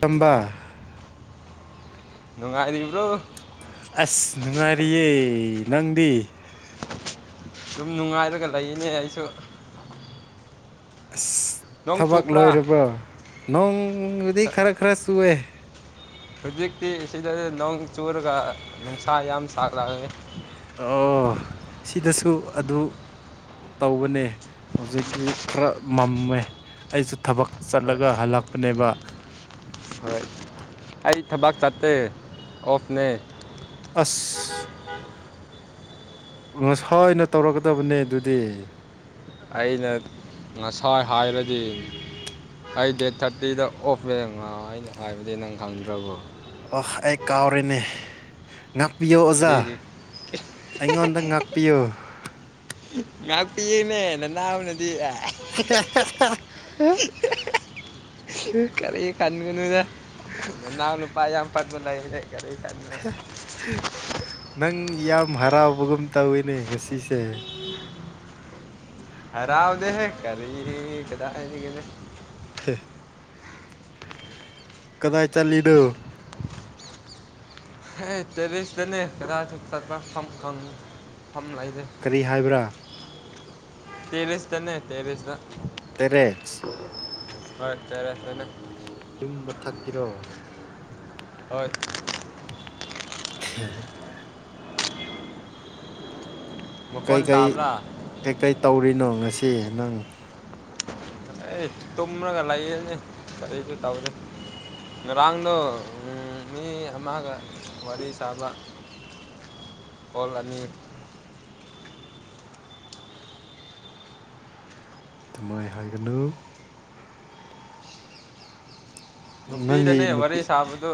ꯆꯝꯕ ꯅꯨꯡꯉꯥꯏꯔꯤꯕ꯭ꯔꯣ ꯑꯁ ꯅꯨꯡꯉꯥꯏꯔꯤꯌꯦ ꯅꯪꯗꯤ ꯑꯗꯨꯝ ꯅꯨꯡꯉꯥꯏꯔꯒ ꯂꯩꯅꯦ ꯑꯩꯁꯨ ꯑꯁ ꯅꯣꯡ ꯊꯕꯛ ꯆꯨꯄ꯭ꯔꯥ ꯂꯣꯏꯔꯕ꯭ꯔꯣ ꯅꯣꯡꯕꯨꯗꯤ ꯈꯔ ꯈꯔ ꯆꯨꯌꯦ ꯍꯧꯖꯤꯛꯇꯤ ꯁꯤꯗ ꯅꯣꯡ ꯆꯨꯔꯒ ꯅꯨꯡꯁꯥ ꯌꯥꯝ ꯁꯥꯔꯛꯑꯦ ꯑꯣ ꯁꯤꯗꯁꯨ ꯑꯗꯨ ꯇꯧꯕꯅꯦ ꯍꯧꯖꯤꯛꯇꯤ ꯈꯔ ꯃꯝꯃꯦ ꯑꯩꯁꯨ ꯊꯕꯛ ꯍꯣꯏ ꯆꯠꯂꯒ ꯍꯜꯂꯛꯄꯅꯦꯕ ꯍꯣꯏ ꯑꯩ ꯊꯕꯛ ꯆꯠꯇꯦ ꯑꯣꯐꯅꯦ ꯑꯁ ꯉꯁꯥꯏꯅ ꯇꯧꯔꯛꯀꯗꯕꯅꯦ ꯑꯗꯨꯗꯤ ꯑꯩꯅ ꯉꯁꯥꯏ ꯍꯥꯏꯔꯗꯤ ꯑꯩ ꯗꯦꯠ ꯊꯥꯔꯇꯤꯗ ꯑꯣꯐ ꯂꯩ ꯑꯩꯅ ꯍꯥꯏꯕꯗꯤ ꯅꯪ ꯈꯪꯗ꯭ꯔꯕꯣ ꯑ ꯑꯩ ꯀꯥꯎꯔꯦꯅꯦ ꯉꯥꯛꯄꯤꯌꯣ ꯑꯣꯖꯥ ꯀꯔꯤꯒꯤ ꯑꯩꯉꯣꯟꯗ ꯉꯥꯛꯄꯤꯌꯣ ꯉꯥꯛꯄꯤꯌꯦꯅꯦ ꯅꯅꯥꯎꯅꯗꯤ [unintelligible] ꯀꯔꯤ ꯈꯟꯒꯅꯨꯗ ꯅꯅꯥꯎ ꯅꯨꯄꯥ ꯌꯥꯝ ꯄꯟꯕ ꯂꯩꯌꯦ ꯀꯔꯤꯝ ꯈꯟꯒꯅꯨ ꯅꯪ ꯌꯥꯝ ꯍꯔꯥꯎꯕꯒꯨꯝ ꯇꯧꯋꯤꯅꯦ ꯉꯁꯤꯁꯦ ꯍꯔꯥꯎꯗꯦꯍꯦ ꯀꯔꯤꯒꯤ ꯀꯗꯥꯏꯗꯩꯩꯒꯤꯅꯣ ꯀꯗꯥꯏ ꯆꯠꯂꯤꯅꯣ ꯇꯔꯤꯁꯇꯅꯦ ꯀ ꯆ ꯈ ꯈꯪ ꯐꯝ ꯂꯩꯇꯦ ꯀꯔꯤ ꯍꯥꯏꯕ꯭ꯔ ꯇꯦꯔꯦꯁꯇꯅꯦ ꯇꯦꯔꯦꯁꯇ ꯇꯦꯔꯦꯁ ꯍꯣꯏ ꯇꯦꯔꯦꯁꯇꯅꯦ ꯌꯨꯝ ꯃꯊꯛꯀꯤꯔꯣ ꯍꯣꯏ ꯍ ꯃꯈꯣꯟ ꯀꯩꯀꯩ ꯇꯥꯕ꯭ꯔꯥ ꯀꯩꯀꯩ ꯇꯧꯔꯤꯅꯣ ꯉꯁꯤ ꯅꯪ ꯑꯩ ꯇꯨꯝꯃꯒ ꯂꯥꯏꯌꯦꯅꯦ ꯀꯔꯤꯁꯨ ꯇꯧꯗꯦ ꯉꯔꯥꯡꯗꯣ ꯃꯤ ꯑꯃꯒ ꯋꯥꯔꯤ ꯁꯥꯕ ꯑꯣꯜ ꯑꯅꯤ ꯑꯗꯨꯃꯥꯏꯅ ꯍꯥꯏꯒꯅꯨ ꯅꯪꯒꯤ ꯅꯨꯄꯤꯗꯅꯦ ꯋꯥꯔꯤ ꯅꯨꯄꯤ ꯁꯥꯕꯗꯨ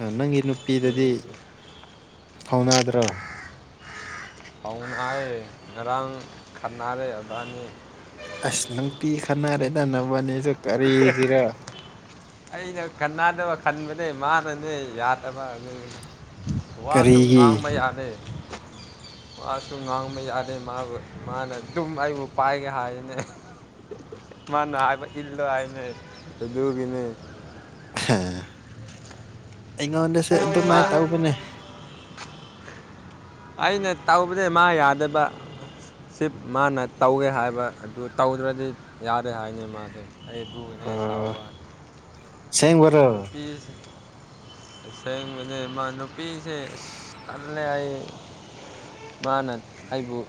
ꯑ ꯅꯪꯒꯤ ꯅꯨꯄꯤꯗꯗꯤ ꯐꯥꯎꯅꯥꯗ꯭ꯔꯣ ꯄꯥꯎꯅꯥꯔꯦ ꯉꯔꯥꯡ ꯈꯥꯟꯅꯔꯦ ꯑꯗꯨꯅꯤ ꯑꯁ ꯅꯪ ꯄꯤ ꯈꯅꯔꯦꯗꯅꯕꯅꯦꯁꯨ ꯑꯩꯅ ꯈꯅꯥꯗꯕ ꯈꯟꯕ ꯃꯥꯅꯅꯦ ꯌꯥꯗꯕ ꯋꯥꯁꯨ ꯀꯔꯤꯒꯤ ꯉꯥꯡꯕ ꯌꯥꯅꯤ [unintelligible] ꯃꯥꯁꯨ ꯉꯥꯡꯕ ꯌꯥꯗꯦ ꯃꯥꯕꯨ ꯃꯥꯅ ꯑꯗꯨꯝ ꯑꯩꯕꯨ ꯄꯥꯏꯒꯦ ꯍꯥꯏꯔꯤꯅꯦ ꯃꯥꯅ ꯍꯥꯏꯕ ꯏꯜꯂꯣ ꯍꯥꯏꯅꯦꯒꯤꯅꯦ ꯑꯩꯉꯣꯟꯗꯁꯨ ꯃꯥ ꯑꯗꯨꯃꯥꯏꯅ ꯇꯧꯕꯅꯦ ꯑꯩꯅ ꯇꯧꯕꯗ ꯃꯥ ꯌꯥꯗꯕ ꯁꯤꯞ ꯃꯥꯅ ꯇꯧꯋꯦ ꯍꯥꯏꯕ ꯑꯗꯨ ꯇꯧꯗ꯭ꯔꯗꯤ ꯌꯥꯔꯦ ꯍꯥꯏꯅꯤ ꯃꯥꯁꯦ ꯑꯗꯨꯏꯅꯤꯅꯦ ꯑꯣ ꯁꯥꯎꯕ ꯑꯁꯦꯡꯕꯔꯣ ꯅꯨꯄꯤ ꯁꯦꯡꯕꯅꯦ ꯃꯥ ꯅꯨꯄꯤꯁꯦ ꯇꯜꯂꯦ ꯑꯩ ꯃꯥꯅ ꯑꯩꯕꯨ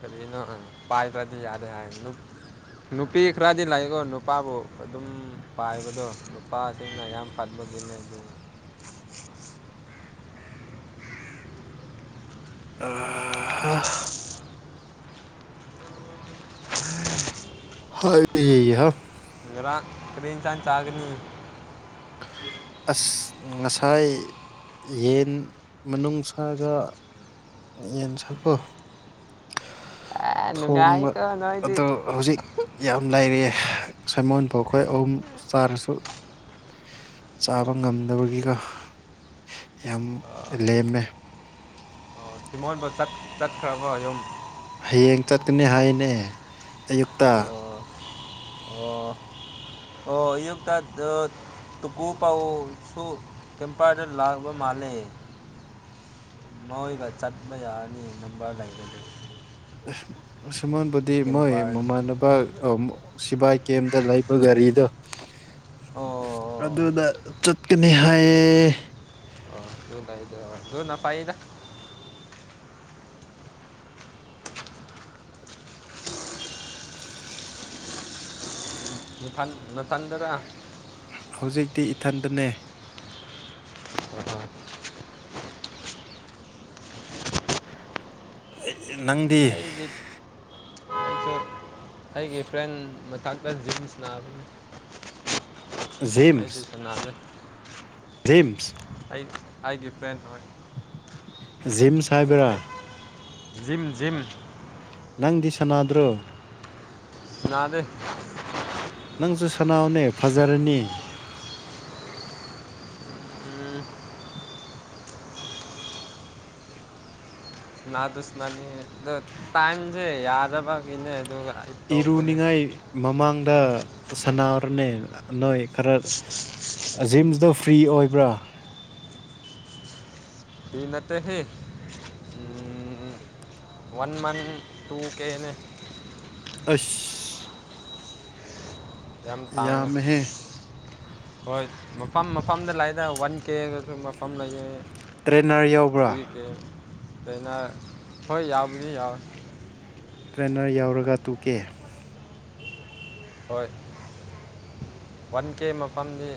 ꯀꯔꯤ ꯅ ꯄꯥꯏ ꯄꯗꯤ ꯌꯥꯗꯦ ꯍꯥꯏ ꯅꯨꯄꯤ ꯈꯔꯗꯤ ꯂꯥꯛꯏꯀꯣ ꯅꯨꯄꯥꯕꯨ ꯑꯗꯨꯝ ꯄꯥꯏꯕꯗꯣ ꯅꯨꯄꯥꯁꯤꯡꯅ ꯌꯥꯝ ꯐꯠꯕ [inaudible] ꯑ [inaudible] ꯍꯥꯏ ꯍꯥ ꯉꯔꯥꯡ ꯇ꯭ꯔꯦꯟ ꯆꯥꯟ ꯆꯥꯒꯅꯤ ꯑꯁ ꯉꯥꯁꯥꯏ ꯊꯥꯏ ꯌꯦꯟ ꯃꯅꯨꯡꯁꯥꯒ ꯌꯦꯟꯁꯦ ꯀꯣ ꯑꯦ ꯊꯣꯡꯕ ꯅꯨꯡꯉꯥꯏꯀꯣ ꯅꯣꯏꯗꯤ ꯑꯗꯨ ꯍꯧꯖꯤꯛ ꯌꯥꯝ ꯂꯩꯥꯏꯔꯤ ꯁꯥꯏꯃꯣꯟ ꯐꯥꯎ ꯑꯩꯈꯣꯏ ꯑꯍꯨꯝ ꯆꯥꯔꯁꯨ ꯆꯥꯕ ꯉꯝꯗꯕꯒꯤꯒ ꯌꯥꯝ ꯂꯦꯝꯃꯦ ꯑꯣ ꯁꯤꯃꯣꯟꯕ ꯆꯠꯈ꯭ꯔꯕꯣ ꯌꯨꯝ ꯍꯌꯦꯡ ꯆꯠꯀꯅꯤ ꯍꯥꯏꯅꯦ ꯑꯌꯨꯛꯇ ꯑꯣ ꯑꯣ ꯑꯣ [unintelligible] ꯇꯨꯀꯨ ꯄꯥꯎꯁꯨ ꯇꯦꯝꯄꯔꯗ ꯂꯥꯛꯕ ꯃꯥꯜꯂꯦ ꯃꯎ ꯏꯒ ꯆꯠ ꯃꯌꯥ ꯑꯅꯤ ꯅꯝꯕꯔ ꯂꯥꯛ ꯂꯩ [unintelligible] ꯁꯃꯣꯟꯕꯨꯗꯤ ꯃꯣꯏ ꯃꯃꯥꯟꯅꯕ ꯁꯤꯕꯥꯏ ꯀꯦꯝꯗ ꯂꯩꯕ ꯒꯥꯔꯤꯗꯣ ꯑꯣ ꯑꯣ ꯑꯗꯨꯗ ꯆꯠꯀꯅꯤ ꯍꯥꯏꯌꯦ ꯑꯣ ꯑꯗꯨ ꯂꯩꯗꯣ ꯑꯗꯨꯅ ꯄꯥꯏꯗ ꯅꯊꯟꯗꯔꯥ ꯍꯧꯖꯤꯛꯇꯤ ꯏꯊꯟꯗꯅꯦ [inaudible] ꯅꯪꯗꯤ ꯑꯩꯒꯤ ꯑꯩꯁꯨ ꯑꯩꯒꯤ ꯐ꯭ꯔꯦꯟ ꯃꯊꯛꯇ ꯖꯤꯟꯁ ꯅꯥꯕꯅꯤ ꯑꯩꯗ ꯆꯅ꯭ꯔꯦ ꯔꯤꯝꯁ ꯑꯥꯏꯒꯤ ꯐꯦꯟ ꯖꯤꯝꯁ ꯍꯥꯏꯕꯔꯥ ꯖꯤꯝ ꯖꯤꯝ ꯅꯪꯗꯤ ꯁꯅꯥꯗ꯭ꯔꯣ ꯁꯅꯥꯗꯦ ꯅꯪꯁꯨ ꯁꯅꯥꯑꯣꯅꯦ ꯐꯖꯔꯅꯤ ꯎꯝ ꯇꯨꯁꯅꯅꯤ ꯇꯥꯏꯝꯁꯦ ꯌꯥꯗꯕ ꯀꯅꯦ ꯇ ꯏꯔꯨꯅꯤꯡꯉꯥꯏ ꯃꯃꯥꯡꯗ ꯁꯅꯥꯎꯔꯅꯦ ꯅꯣꯏ ꯈꯔ ꯖꯤꯝꯁꯤꯗ ꯐ꯭ꯔꯤ ꯑꯣꯏꯕ꯭ꯔꯥ ꯇꯩꯅꯠꯇ ꯍꯦ ꯋꯥꯟ ꯃꯟꯊ ꯇꯨꯡ ꯀꯦꯅꯦ ꯑꯁ ꯌꯥꯝ ꯇꯥꯡꯉꯦ ꯌꯥꯝꯃꯦꯍꯦ ꯍꯣꯏ ꯃꯐꯝ ꯃꯐꯝꯗ ꯂꯥꯛꯏꯗ ꯋꯥꯟ ꯀꯦ ꯑꯗꯨ ꯃꯐꯝ ꯂꯩꯌꯦ ꯇ꯭ꯔꯦꯅꯔ ꯌꯥꯎꯕ꯭ꯔꯥ ꯊꯏꯒꯦ ꯑꯩꯅ ꯍꯣꯏ ꯌꯥꯎꯕꯗꯤ ꯌꯥꯎꯋꯦ ꯇ꯭ꯔꯦꯅꯔ ꯌꯥꯎꯔꯒ ꯇꯨꯀꯦ ꯍꯣꯏ ꯋꯥꯟ ꯀꯦ ꯃꯐꯝꯗꯤ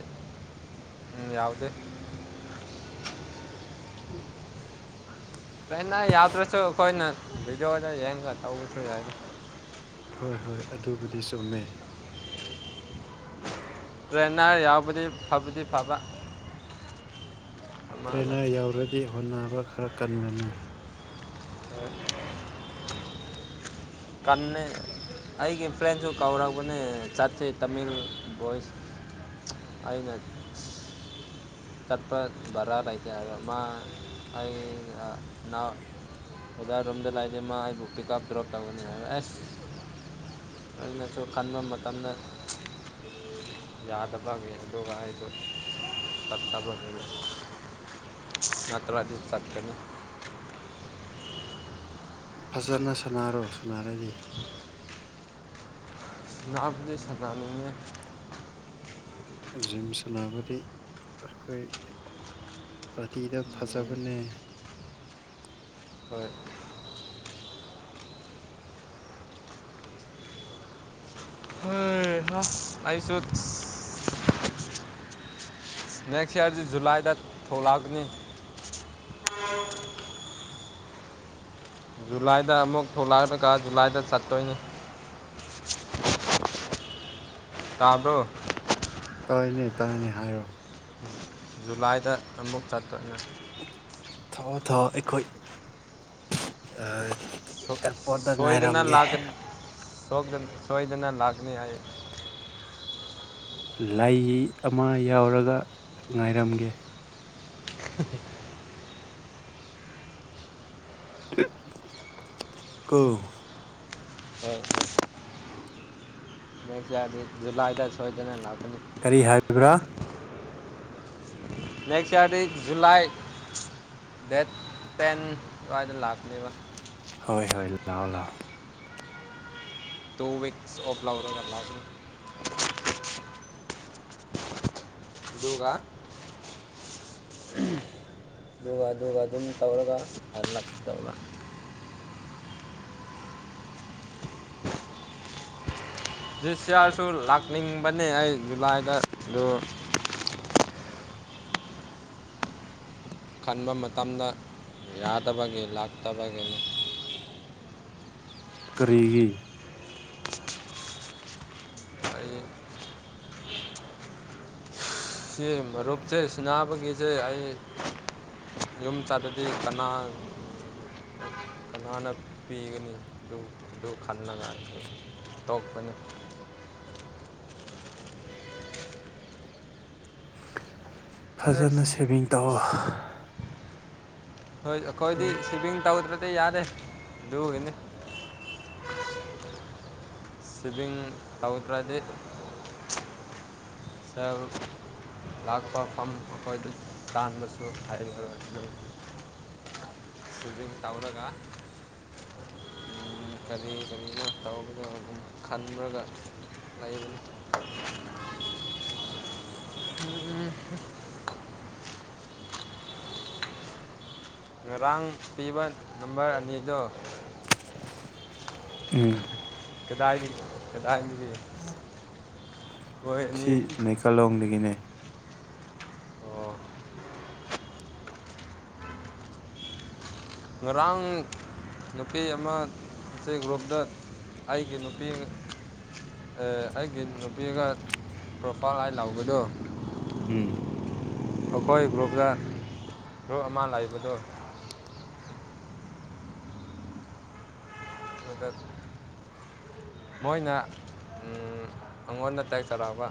ꯌꯥꯎꯗꯦ [unintelligible] [inaudible] ꯄꯩꯅꯅ ꯌꯥꯗ꯭ꯔꯁꯨ ꯀꯣꯏ ꯅꯕꯤꯖꯣ ꯋꯥ ꯌꯦꯅ ꯀ ꯊ ꯌꯥ ꯍꯣꯏ ꯍꯣꯏ ꯑꯗꯨꯕꯨꯗꯤ ꯆꯨꯝꯃꯦ ꯇ꯭ꯔꯦꯟꯅꯔ ꯌꯥꯎꯕꯗꯤ ꯐꯕꯗꯤ ꯐꯕ ꯑꯃꯒ ꯇ꯭ꯔꯦꯅꯔ ꯌꯎꯔꯗꯤ ꯍꯣꯠꯅꯕ ꯈꯔ ꯀꯜꯂꯅꯤ ꯀ ꯑꯩꯒꯤ ꯐ꯭ꯔꯦꯟꯁꯨ ꯀꯥꯎꯔꯛꯔꯕꯅꯦ ꯆꯠꯁꯦ ꯇꯥꯃꯤꯜ ꯚꯣꯏꯁ ꯑꯅ ꯇꯠꯄ ꯔꯥꯔ ꯑꯥꯏꯇꯥ ꯃꯥ ꯑꯩ ꯅ ꯎꯗꯥꯔꯣꯝꯗ ꯂꯥꯏꯖ ꯑꯃ ꯑꯩꯕꯨ ꯄꯤꯛꯑꯞ ꯗ꯭ꯔꯣꯞ ꯇꯧꯕꯅꯤ ꯍꯥꯏ ꯑꯦꯁ ꯑꯩꯅꯁꯨ ꯈꯟꯕ ꯃꯇꯝꯗ ꯌꯥꯗꯕ ꯌꯦꯗꯒ ꯍꯥꯏꯗꯠꯇꯕ ꯃꯥ ꯇ꯭ꯔ ꯑꯗꯨ ꯆꯇꯅ ꯐꯖꯅ ꯁꯥꯟꯅꯔꯣ ꯁꯅꯔꯗꯤ ꯉꯅꯥꯕꯨꯖꯗꯤ ꯁꯥꯟꯅꯅꯦ ꯖꯤꯝ ꯁꯅꯥꯕꯗꯤ ꯑꯩꯈꯣꯏ ꯐꯇꯤꯗ ꯐꯖꯕꯅꯦ ꯍꯣꯏ ꯎꯝ ꯅ ꯑꯩꯁꯨ ꯅꯦꯛꯁ ꯌꯔꯁꯤ ꯖꯨꯂꯥꯏꯗ ꯊꯣꯂꯛꯅꯤ ꯑ ꯖꯨꯂꯥꯏꯗ ꯑꯃꯨꯛ ꯊꯣꯛꯂꯛꯂꯒ ꯖꯨꯂꯥꯏꯗ ꯆꯠꯇꯣꯏꯅꯤ ꯇꯥꯕꯣ ꯇꯥꯏꯅꯦ ꯇꯥꯏꯅꯦ ꯍꯥꯏꯔꯛꯑꯣ ꯖꯨꯂꯥꯏꯗ ꯑꯃꯨꯛ ꯆꯠꯄꯅꯤ ꯊꯣꯛꯑꯣꯣ ꯊꯣꯛꯑꯣ ꯑꯩꯈꯣꯏ ꯑ ꯁꯣꯣꯏꯗꯅ ꯂꯥꯑ ꯁꯣ ꯑꯗꯨꯅ ꯂꯥꯒꯅꯤ ꯍꯥꯏꯌꯦ ꯂꯥꯏ ꯑꯃ ꯌꯥꯎꯔꯒ ꯉꯥꯏꯔꯝꯒꯦ ꯑ ꯀꯨ ꯍꯣꯏ ꯗꯤ ꯂꯥꯏꯗꯁꯨꯣꯏꯗꯅ ꯂ ꯀꯔꯤ ꯍꯥꯏꯔꯤꯕ꯭ꯔꯥ [unintelligible] next year July date ten ꯂ ꯍꯣꯏ ꯍꯣꯏ ꯂꯥꯛꯑꯣ ꯂꯥꯛꯑꯣ ꯇꯨ ꯤꯛꯁ ꯑꯣꯕ꯭ꯂꯔꯅꯥ ꯌꯒꯥ ꯑꯗꯨꯒ ꯑꯗꯨꯒꯒ ꯑꯗꯨꯅꯤ ꯇꯧꯔꯒ ꯍꯜꯂ ꯇꯧꯂ [unintelligible] ꯖꯤꯁ ꯌꯥꯌꯥꯔꯁꯨ ꯂꯥꯛꯅꯤꯡꯕꯅꯦ ꯑꯩ ꯖꯨꯂꯥꯏꯗ ꯑꯗꯨ ꯈꯟꯕ ꯃꯇꯝꯗ ꯌꯥꯗꯕꯒꯤ ꯂꯥꯛꯇꯕꯒꯤꯅ ꯀꯔꯤꯒꯤ ꯑꯩ ꯁꯤ ꯔꯨꯞꯆꯦ ꯁ꯭ꯅꯥꯄ ꯀꯁꯦ ꯑꯩ ꯌꯨꯝ ꯆꯥꯗꯗꯤ ꯀꯅꯥ ꯀꯅꯥꯅ ꯄꯤꯒꯅꯤ ꯑꯗꯨ ꯑꯗꯨ ꯈꯟꯅ ꯉ ꯇꯣꯛꯄꯅꯤ ꯐꯖꯅ ꯅꯦꯛꯁ ꯁꯦꯚꯤꯡ ꯇꯧꯑꯣ ꯍꯣꯏ ꯑꯩꯈꯣꯏꯗꯤ ꯎꯝ ꯁꯤꯕꯤꯃꯤꯤꯡ ꯇꯧꯗ꯭ꯔ ꯇꯩ ꯌꯥꯗꯦ ꯂ ꯀꯅꯤ ꯁꯃꯤꯡ ꯇꯧꯇ꯭ꯔꯗꯤ ꯁ ꯂꯥꯛꯄ ꯑꯩꯈꯣꯏꯗꯨ ꯇꯥꯟꯕꯁꯨ ꯍꯥꯏꯔꯤꯕ ꯁꯗꯤꯝ ꯇꯥꯎꯔꯒ ꯎ ꯀꯔꯤ ꯀꯔꯤꯅꯣ ꯇꯧꯒꯅꯣ ꯑꯗꯨꯝ ꯈꯟꯕꯒ ꯂꯩꯕꯅꯤ [unintelligible] ꯎꯝ ꯉꯔꯥꯡ ꯄꯤꯕ ꯅꯝꯕꯔ ꯑꯅꯤꯗꯣ ꯎꯝ ꯀꯗꯥꯏꯗꯤ ꯀꯗꯥꯏꯗꯤ ꯁꯤ ꯅꯩꯀꯥꯂꯣꯡꯗꯒꯤꯅꯦ ꯑꯣ ꯔꯥꯡ ꯅꯨꯄꯤ ꯑꯃꯁꯤ ꯒ꯭ꯔꯨꯞꯇ ꯑꯩꯒꯤ ꯅꯨꯄꯤ ꯑꯦ ꯑꯩꯒꯤ ꯅꯨꯄꯤꯒ ꯄꯣꯄꯥꯒꯥꯏ ꯂꯥꯎꯕꯗꯣ ꯎꯝ ꯑꯩꯈꯣꯏ ꯒ꯭ꯔꯨꯞꯇ ꯒ꯭ꯔꯨꯞ ꯑꯃ ꯂꯩꯥꯛꯕꯗꯨ ꯃꯗ ꯃꯣꯏꯅ ꯑꯩꯉꯣꯟ ꯇꯥꯏ ꯆꯔꯕ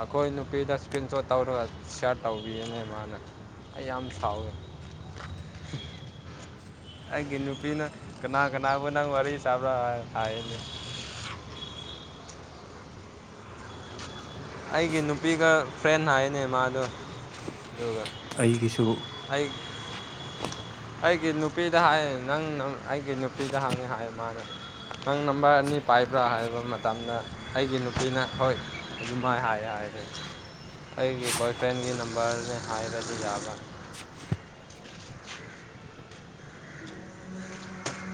ꯑꯩꯈꯣꯏ ꯅꯨꯄꯤꯗ ꯏꯁꯀ꯭ꯔꯤꯟ ꯁꯣꯠ ꯇꯧꯔ ꯁꯔꯠ ꯇꯧꯕꯤꯅꯦ ꯃꯥꯅ ꯑꯩ ꯌꯥꯝ ꯁꯥꯎꯋꯦ ꯑꯩꯒꯤ ꯅꯨꯄꯤꯅ ꯀꯅꯥ ꯀꯅꯥꯕꯨ ꯅꯪ ꯋꯥꯔꯤ ꯁꯥꯕ꯭ꯔ ꯍꯥꯏꯅꯦ [unintelligible] ꯑꯩꯒꯤ ꯅꯨꯄꯤꯒ ꯐ꯭ꯔꯦꯟ ꯍꯥꯏꯅꯦ ꯃꯥꯗꯣ ꯌꯣꯒ ꯑꯩꯒꯤꯁꯨ ꯑꯩ ꯑꯩꯒꯤ ꯅꯨꯄꯤꯗ ꯍꯥꯏ ꯅꯪ ꯑꯩꯒꯤ ꯅꯨꯄꯤꯗ ꯍꯪꯉꯦ ꯍꯥꯏ ꯃꯥꯅꯦ ꯅꯪ ꯅꯝꯕꯔ ꯑꯅꯤ ꯄꯥꯏꯕ꯭ꯔꯥ ꯍꯥꯏꯕ ꯃꯇꯝꯗ ꯑꯩꯒꯤ ꯅꯨꯄꯤꯅ ꯍꯣꯏ ꯑꯗꯨꯃꯥꯏ ꯍꯥꯏ ꯍꯥꯏꯔꯦ ꯑꯩꯒꯤ ꯕꯣꯏ ꯐ꯭ꯔꯦꯟꯒꯤ ꯅꯝꯕꯔꯅꯦ ꯍꯥꯏꯔꯗꯤ ꯌꯥꯕ꯭ꯔꯥ ꯎꯝ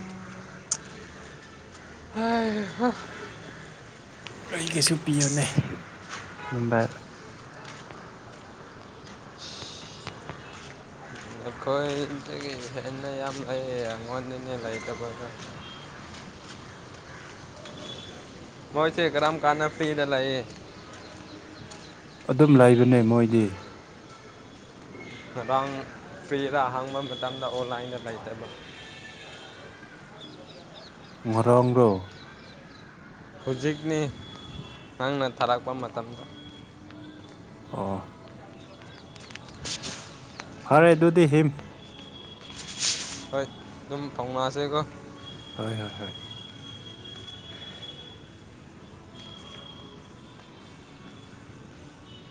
ꯍ ꯍꯣ ꯀꯔꯤ ꯀꯩꯁꯨ ꯄꯤꯌꯣꯅꯦ ꯑꯗꯨꯅꯨꯡꯕꯥ ꯑꯩꯈꯣꯏꯗꯒꯤ ꯍꯦꯟꯅ ꯌꯥꯝ ꯂꯩ ꯑꯩꯉꯣꯟꯗꯅꯦ ꯂꯩꯇꯕꯗ [unintelligible] ꯃꯣꯏꯁ ꯀꯔꯝ ꯀꯥꯟꯅ ꯐꯤꯗ ꯂꯩꯑꯌꯦ ꯑꯗꯨꯝ ꯂꯩꯕꯅꯦ ꯃꯣꯏꯗꯤ ꯉꯥꯡ ꯄ꯭ꯤꯔ ꯍꯥꯡꯕ ꯃꯇꯝꯗ ꯑꯣꯟꯂꯥꯏꯟꯗ ꯂꯩꯇꯕ [unintelligible] ꯉꯔꯝꯗ ꯍꯧꯖꯤꯛꯅꯤ ꯅꯪꯅ ꯊꯥꯔꯛꯄ ꯃꯇꯝꯗ ꯑ ꯐꯔꯦ ꯑꯗꯨꯗꯤ ꯍꯤꯝ ꯍꯣꯏ ꯑꯗꯨꯝ ꯐꯥꯎꯅꯛꯑꯁꯤꯦꯀꯣ ꯍꯣꯏ ꯍꯣꯏ ꯍ